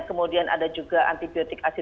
kemudian ada juga antibiotik asi